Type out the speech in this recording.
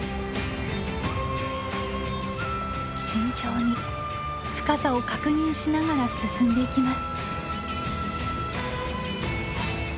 慎重に深さを確認しながら進んでいきます。